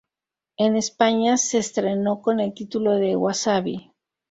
En España se estrenó con el título de "Wasabi.